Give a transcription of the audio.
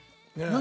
何？